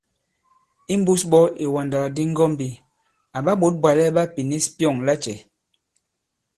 Imbūs ɓɔ̄ ìwàndàkdi ŋgɔ̄mbī, àɓa ɓǒt bwàlɛ ɓa pinīs byɔ̂ŋ lacɛ̄ ?